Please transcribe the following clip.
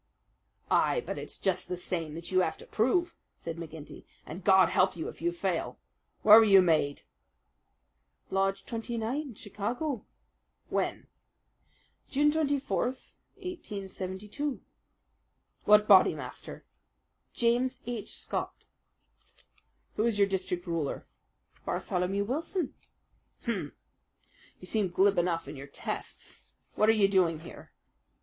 "Ay, but it's just that same that you have to prove," said McGinty, "and God help you if you fail! Where were you made?" "Lodge 29, Chicago." "When?" "June 24, 1872." "What Bodymaster?" "James H. Scott." "Who is your district ruler?" "Bartholomew Wilson." "Hum! You seem glib enough in your tests. What are you doing here?"